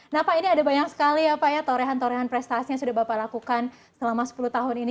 nah pak ini ada banyak sekali ya pak ya torehan torehan prestasi yang sudah bapak lakukan selama sepuluh tahun ini